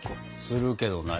するけどな。